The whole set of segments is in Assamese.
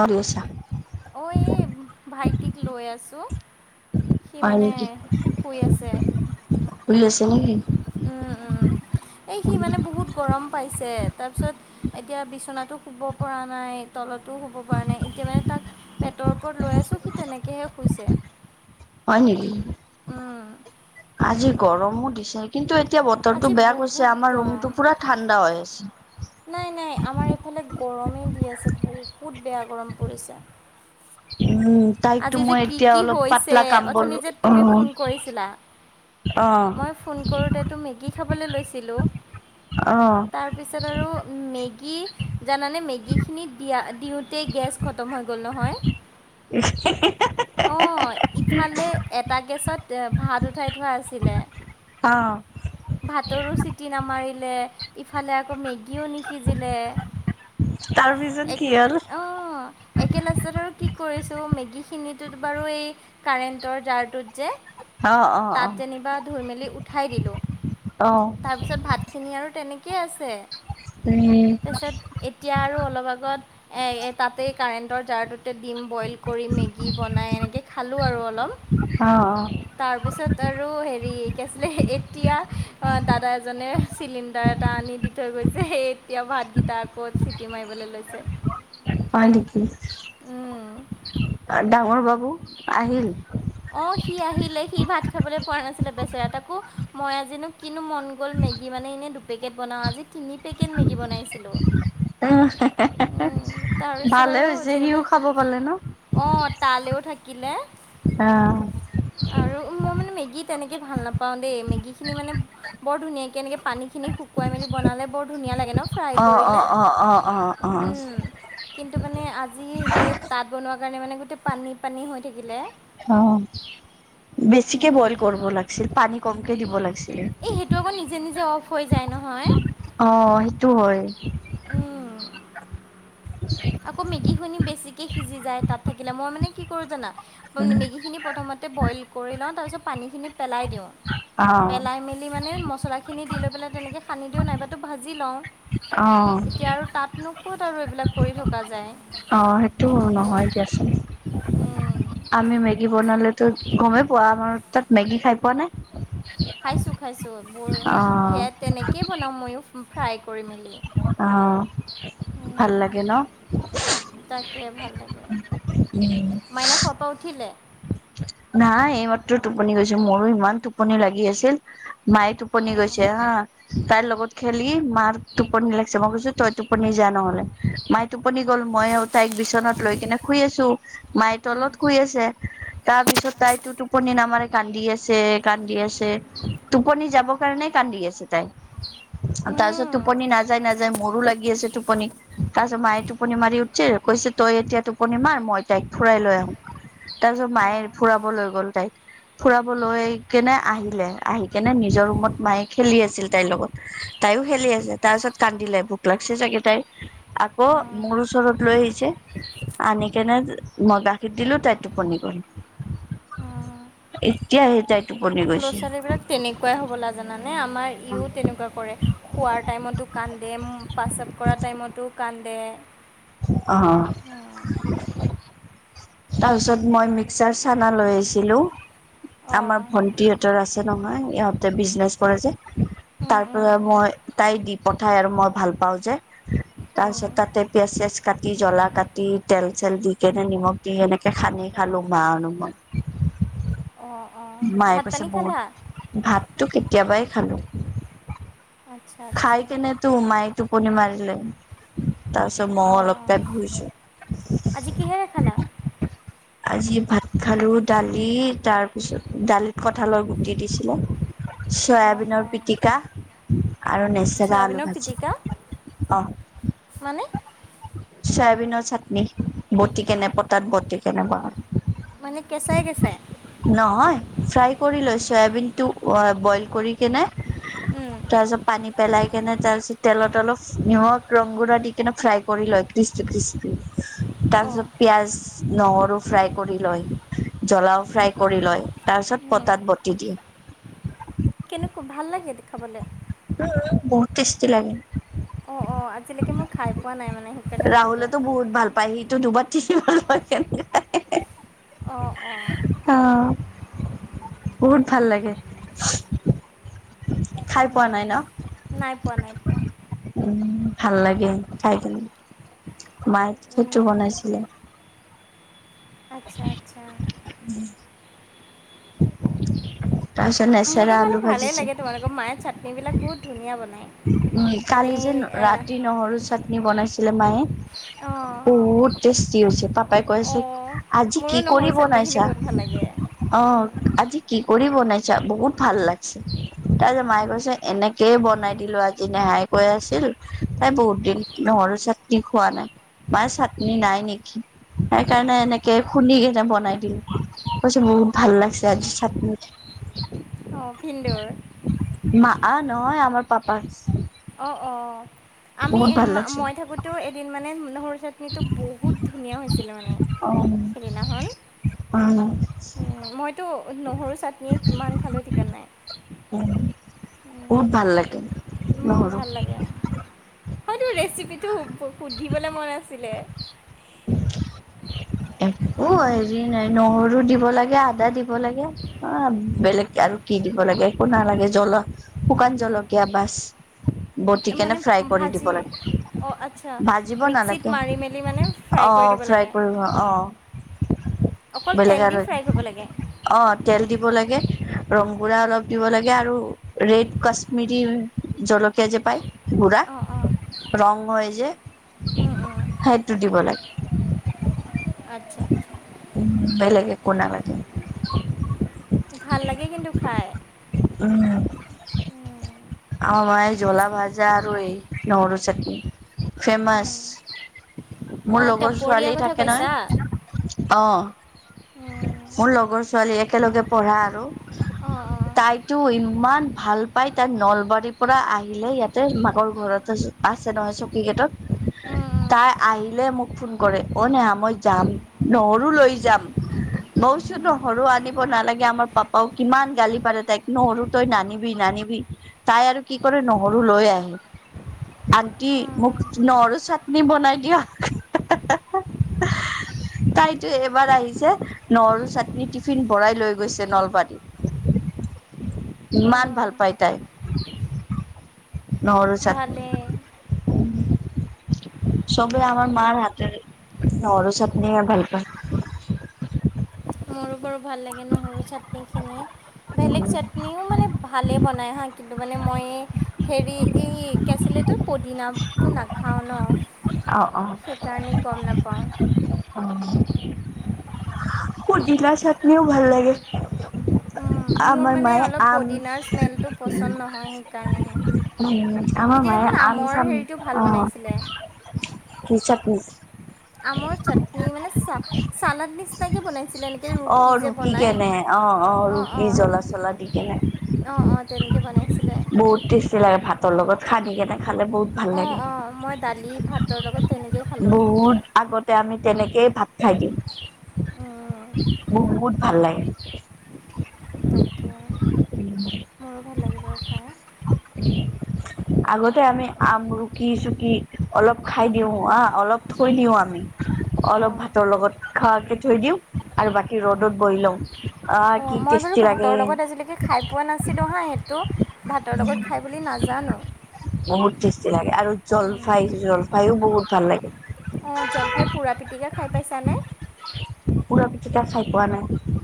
আৰু নিছা অ', এই ভাইটিক লৈ আছোঁ। সি হয় মানে নেকি, শুই আছে শুই আছে নেকি? উম উম এই সি মানে বহুত গৰম পাইছে। তাৰপিছত এতিয়া বিচনাটো শুব পৰা নাই তলতো শুব পৰা নাই এতিয়া মানে তাক পেটৰ ওপৰত লৈ আছোঁ সি তেনেকেহে শুইছে। হয় নেকি উম, আজি গৰমো দিছে কিন্তু এতিয়া আজি বতৰটো বেয়া কৈছে বহুত আমাৰ গৰম ৰুমটো পুৰা ঠাণ্ডা হৈ আছে। নাই নাই আমাৰ এইফালে গৰমেই দি আছে বহুত বেয়া গৰম পৰিছে। [inaudible] উম তাইকটো আজি যে মই কি এতিয়া কি অলপ হৈছে পাতলা কামবুল অথনি যে তুমি ফোন কৰিছিলা মই ফোন কৰোঁতেতো মেগী খাবলৈ লৈছিলোঁ। অ তাৰপিছত আৰু মেগী জানানে মেগী খিনিত দিয়া দিওঁতে গেছ খতম হৈ গ'ল নহয়। হে হে হা হা! অ', ইফালে এটা গেছত ভাত উঠাই থোৱা আছিলে। অ ভাতৰো চিটি নামাৰিলে ইফালে আকৌ মেগী গীও নিসিজিলে। তাৰপিছত এক কি হ'ল অ, একে লাষ্টতত আৰু কি কৰিছ চ' মেগীখিনিটোত বাৰু এই কাৰেণ্টৰ জাৰটোত যে অ অ তাত অ যেনিবা ধুই মেলি উঠাই দিলোঁ। অ তাৰ পিছত ভাত খিনি আৰু তেনেকে কে আছে উম তাৰপিছত এতিয়া আৰু অলপ আগত এ তাতে কাৰেণ্টৰ জাৰটোতে ডিম বইল কৰি মেগি বনাই এনেকে খালো আৰু অ অ অলপ তাৰপিছত আৰু হেৰি হেৰি কি আছিলে এতিয়া দাদা এজনে চিলিণ্ডাৰ এটা আনি দি থৈ গৈছে। এতিয়া ভাতকেইটা আকত চিটি মাৰিবলে লৈছে। হয় নেকি, ডাঙৰ বাবু আহিল? অ', সি আহিলে সি ভাত খাবলৈ পোৱা নাছিলে বেচেৰা তাকো মই আজিনো কিনো মন গ'ল মেগী মানে এনেই দুপেকেট বনাওঁ আজি তিনি পেকেট মেগী বনাইছিলোঁ [inaudible] তাৰপিছত ভালে আৰু হৈছে যেনিবা সিও খাব পালে ন। অঁ তালেও থাকিলে। অ'। আৰু মোৰ মানে মেগীত তেনেকে ভাল নাপাওঁ দেই মেগীখিনি মানে বৰ ধুনীয়াকে এনেকে পানীখিনি শুকুৱাই মেলি বনালে বৰ ধুনীয়া লাগে ন? ফ্ৰায় অ অ অ কৰিলে, অ অ অ উম কিন্তু মানে আজি সেই তাত বনোৱা কাৰণে মানে গোটেই পানী পানী হৈ থাকিলে। অ বেছিকে বইল কৰিব লাগিছিল পানী কমকে দিব লাগিছিল। এই সেইটো আকৌ নিজে নিজে অফ হৈ যায় নহয় অ সেইটো হয়। উম আকৌ মেগী শুনি বেছিকে সিজি যায় তাত থাকিলে মই মানে কি কৰো জানা। মেগীখিনি প্ৰথমতে বইল কৰি লওঁ তাৰপিছত পানীখিনি পেলাই দিওঁ। অ পেলাই মেলি মানে মছলা খিনি দি লৈ পেলাই তেনেকে। সানদি দিওঁ নাইবাতো ভাজি লওঁ অ এতিয়া আৰু তাতনো ক'ত আৰু এইবিলাক কৰি থকা যায় [unintelligible] অ সেইটো নহয় দিয়া চোন। উম, আমি মেগী বনালেতো গমেই পোৱা আমাৰ তাত মেগী খাই পোৱা নাই। খাইছোঁ খাইছোঁ বোৰ অ সেয়া তেনেকেই বনাওঁ ময়ো ফ্ৰাই। কৰি মেলি আহ ভাল উম, লাগে ন। তাকে ভাল লাগে, মাইনা শুৱাৰ পৰা উঠিলে। নাই এইমাত্ৰ টোপনি গৈছে মোৰো ইমান টোপনি লাগি আছিল। মাই টোপনি অঁ অঁ গৈছে হা। তাইৰ লগত খেলি মাৰ টোপনি লাগিছে মই গৈছো তই টোপনি যা নহ'লে মায়ে টোপনি গ'ল। মই তাইক বিচনাত লৈ কিনে শুই আছো মাই উম, তলত শুই আছে। তাৰপিছত তাইতো টোপনি নামাৰে কান্দি আছে কান্দি আছে টোপনি যাবৰ কাৰণে কান্দি। তাই, তাৰ পিছত উম, টোপনি নাই নাযায় মোৰো লাগি আছে টোপনি তাৰপাছত মায়ে টোপনি মাৰি উঠছে কৈছে তই এতিয়া টোপনি মাৰ মই তাইক ফুৰাই লৈ আহো তাৰ পিছত অঁ মায়ে ফুৰাব লৈ গ'ল তাইক ফুৰাবলৈ কেনে আহিলে আহি কেনে নিজৰ ৰুমত মায়ে খেলি আছিল তাইৰ লগত। তাইও খেলি আছে তাৰ পিছত কান্দিলে ভোক লাগছে চাগে তাই আকৌ উম, উম। মোৰ ওচৰত লৈ আহিছে। আনি কেনে মই গাখীৰ দিলো তাই টোপনি গ'ল। এতিয়া হে তাইক ল'ৰা ছোৱালী বিলাক তেনেকুৱাই হ'বলা জানা নে আমাৰ ইও তেনেকুৱা কৰে খোৱাৰ টাইমতো কান্দে প্ৰস্ৰাৱ কৰা টাইমতো। কান্দে আহ [unintelligible] তাৰপিছত মই মিক্সাৰ চানা লৈ আহিছিলোঁ। আমাৰ অঁ ভন্টিহঁতৰ আছে নহয় ইহঁতে বিজনেচ কৰে যে। উম, তাৰ পৰা মই উম, তাই দি পঠাই আৰু মই ভাল পাওঁ যে। তাৰ পিছত উম তাতে পিয়াঁজ চিয়াজ কাটি জলা কাটি তেল চেল দি কেনে নিমখ সেনেকে হানি খালো মা আৰু মই অঁ অঁ মায়ে ভাত কৈছে পানী বহুত খালা ভাততটো কেতিয়াবাই খালো। আচ্ছা খাই আচ্ছা কেনে তো মায়ে টোপনি মাৰিলে। তাৰ পিছত মইয়ো অঁ অলপতে অঁ ঘূৰিছো আজি কিহেৰে খালা আজি ভাত খালো দালি তাৰপিছত দালিত কঁঠালৰ গুটি দিছিলে। অঁ চয়াবিনৰ অঁ পিটিকা আৰু উম, নেচেৰা অলু চয়াবিনৰ ভাজি পিটিকা অ মানে চয়াবিনৰ চাটনি বটি কেনে পটাত বতি কেনে বা মানে কেঁচাই কেঁচাই নহয় ফ্ৰাই কৰি লৈ চয়াবিন টো বইল কৰি কেনে উম, তাৰপিছত পানী পেলাই কেনে তাৰ পিছত তেলত অলপ নিমখ ৰং গুড়া দি কেনে ফ্ৰাই কৰি লয় কৃষ্টি কৃষ্টি তাৰ অঁ পিছত পিয়াজ নহৰু ফ্ৰাই কৰি লয় জলাও ফ্ৰাই কৰি লয় তাৰ পিছত পটাত বতি দিয়ে। উ কেনেকো ভাল লাগে খাবলে বহুত টেষ্টি লাগে। অ আজিলৈকে মই খাই পোৱা নাই মানে সেইকাৰণে সুধিলো। বতি দিব লাগে নাই অ অ। অ বহুত ভাল লাগে খাই পোৱা নাই ন। উম, নাই পোৱা নাই পোৱা। উম ভাল লাগে খাই কেনে মায়ে সেইটো উম, বনাইছিলে। [unintelligible] আচ্ছা আচ্ছা। তাৰপিছত। ত মোৰতো নেচাৰা বাৰু আলু ভালেই ভাজিছে উ লাগে তোমালোকৰ মায়ে চাটনিবিলাক বহুত ধুনীয়া বনায় মানে কালি যে এই ন। আহ, ৰাতি নহৰু চাটনি বনাইছো। মায়ে অঁ বহুত টেষ্টি হৈছে পাপাই কৈছে অঁ আজি মোৰো কি নহৰু কৰি চাটনিখিনি বনাইছা বহুত ভাল লাগে অঁ। আজি কি কৰি বনাইছা বহুত ভাল লাগিছে তাৰিছত মায়ে কৈছে এনেকয়ে বনাই দিলো আজি। নেহাই কৈ আছিল তাই বহুত দিন নহৰু চাটনি খোৱা নাই। মা চাটনি নাই নেকি সেইকাৰণে এনেকে শুনি কেনে বনাই দিলো। কৈছে বহুত ভাল লাগিছে আজি চাটনি। অ ভিন্দেউৰ। মা আ নহয় আমাৰ পাপা। অ অ আমি লাগছে মই থাকোতে এদিন মানে নসৰু চাট নি তো বহুত ধুনীয়া হৈছিল মানে অ সেইদিনাখন। উম উম মইতো নহৰু চাটনি কিমান খালো ঠিকেন নাই। উ উম, বহুত ভাল লাগে নহৰু। হয় তোৰ ৰেচিপিটো সুধিবলৈ মন আছিলে। একো উম, হেৰি নাই নহৰু দিব লাগে, আদা দিব লাগে অ বেলেগ আৰু কি দিব লাগে একো নালাগে জ্বলা শুকান জলকীয়া বাছ। বতি কেনে মানে ফ্ৰাই কৰি দিব ভাজি লাগে অঁ আচ্ছা ভাজিব মিক্সিত নালাগে মাৰি মেলি মানে ফ্ৰাই অ। কৰি দিব ফ্ৰাই লাগে কৰিব অঁ অকল বেলেগ তেল দি আৰু ফ্ৰাই কৰিব লাগে অঁ। তেল দিব লং গুড়া অলপ দিব লাগে আৰু ৰেড কাশ্মীৰৰ জ্বলা যে পায় গুড়া অঁ ৰং হৈ যে অঁ সেইটো দিব লাগে। আচ্ছা আচ্ছা উম বেলেগে একো নালাগে। ভাল লাগে কিন্তু খাই উম, উম আমাৰ এই জলা ভজা আৰু এই নহৰু চাটনি। ফেমাচ উম, মোৰ অঁ লগৰ টপৰীয়া ছোৱালী কথা থাকে নয় কৈছা অঁ উম, মোৰ লগৰ ছোৱালী একেলগে পঢ়া আৰু। অঁ অঁ তাইতো ইমান ভাল পাই তাই নল। বাৰীৰ পৰা আহিলে ইয়াতে মাকৰ ঘৰত আছে নহয় চকী গেটত উম, উম, তাই। আহিলে মোক ফোন কৰে অ না মই যাম নহৰু লৈ যাম। বৌচুতো সৰু আনিব নালাগে আমাৰ পাপাও কিমান গালি পাৰে তাইক নো সৰু তই নানিবি নানি। তাই আৰু কি কৰে নহৰু লৈ আহে। আন্টি মোক উম, নৰু চাটনি বনাই দিয়া। তাইতো এবাৰ আহিছে নহৰু চাটনি টিফিন ভৰাই লৈ গৈছে নলবাৰীত। ইমান উম, ভাল পাই তাই। নহৰু চাটনি। ভালেই চবেই আমাৰ মাৰ হাততে নৰু চাপ নি ভাল পায়। [unintelligible] মোৰো বাৰু ভাল লাগে নহৰু চাটনি খিনিয়ে বেলেগ চাটনিও মানে ভালে। বনাই হাঁ কিন্তু মানে মই হেৰি এই কেচিলেটো পদিনাটো নাখাওঁ ন অ অ অ সেইকাৰণেই গম নাপাওঁ অ পদিনা চাটনিও ভাল লাগে উম, মোৰ আমাৰ মানে মায়ে অলপ আম পদিনাৰ স্মেলটো পচন্দ নহয় সেইকাৰণেহে আমাৰ মায়ে সিদিনাখন আমৰ আমিছাম হেৰিটো ভাল অ বনাইছিলে কিছ মিছত মিছ আমৰ চাটনি মানে চ চালাদ নিচিনাকে বনাই অ ৰুকি কেনে অ অ অঁ অঁ ৰুকি জ্বলা চলা দি কেনে এতিয়া বনাইছিলে তিৰাই ভাতৰ লগত সানি কেনে খালে বহুত ভাল লাগে অ মই দালি ভাতৰ লগত তেনেকে বহুত আগতে আমি তেনেকেই ভাত খাই দিওঁ মোৰ বহুত ভাল লাগে তাকে মোৰো ভাল লাগে বাৰু খাই আগতে আমি আম ৰুকি চকি অলপ খাই দিওঁ অ অলপ থৈ দিও আমি অলপ অঁ ভাতৰ লগত খাৱা থৈ দিওঁ আৰু বাকী ৰ'দত ব দি লও অ মই বাৰু ভাতৰ লগত আজিলৈকে খাই পোৱা নাছিলোঁ হা সেইটো ভাতৰ লগত খাই বুলি নাজানো [inaudible] টেষ্টি লাগে আৰু জলফাই জলফায়ো বহুত ভাল লাগে অ জলফাই পোৰা পিটিকা খাই পাইছানে? পৰা পিটিকা চাই পোৱা নাই।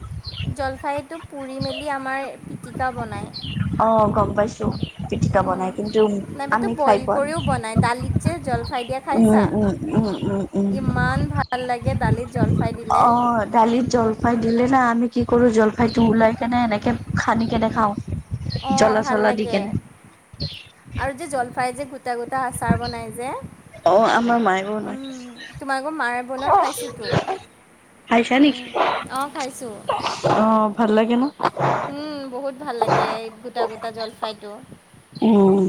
জলফাইটো পুৰি মেলি আমাৰ পিটিকা বনায়। অ গম পাইছো পিঠিকা বনাই। কিন্তু নাইবাতো আমি খাই বইল পোৱা নাই কৰিও বনায় দালিত যে জলফাই উম উম উম উম উম। কিমান ভাল লাগে দালিত জলফাই দিলে লফাই দিলে না আমি কি কৰোঁ জলফাইটো ওলাই কেনে এনেকৈ খান্দি কেনে খাওঁ। অ জ্বলা ভাল চলা দি লাগে কেনে আৰু যে জলফাই যে গু গোটা গোটা আচাৰ বনাই যে অ আমাৰ মায়ে বনাই উম, তোমালোকৰ মায়ে বনোৱা খাইছোঁতো খাইছা উম, নেকি অঁ খাইছোঁ অ ভাল লাগে ন উম বহুত ভাল লাগে গোটা গোটা জলফাইতটো উম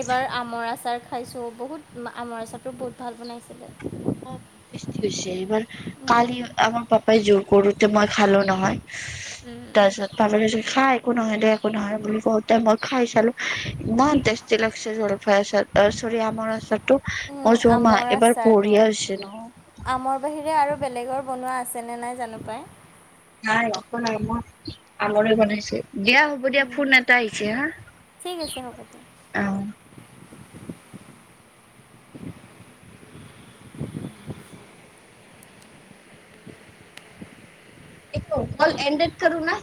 এইবাৰ আমৰ আচাৰ খাইছোঁ বহুত আমৰ আচাৰটো বহুত ভাল বনাইছিলে? বম টেষ্টি হৈছে এইবাৰ কালি আমাৰ পাপাই জোৰ কৰোতে মই খালো নহয়। তাৰপিছত খাই একো নহ দে একো নহয় বুলি কওঁতে মই খাই চালো ইমান টেষ্টি লাগিছে জলফাই আচাটো অ চৰি আমাৰ আচাৰটো অ উম, চুৰমা আমৰ এবাৰ আচাৰটো বঢ়িয়া হৈছে ন? আমৰ বাহিৰে আৰু বেলেগৰ বনোৱা আছেনে নাই জানো পাই। নাই [unintelligible] অকল আমৰে বনাইছে। দিয়া হ'ব দিয়া, পাই ফোন এটা আহিছে হা। ঠিক আছে হ'ব দিয়া। এইটো কল এনডেট কৰো না।